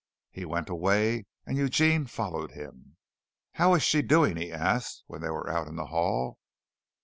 He went away and Eugene followed him. "How is she doing?" he asked, when they were out in the hall.